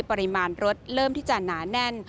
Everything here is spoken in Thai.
ปริมาณรถเริ่มที่จะหนาแน่น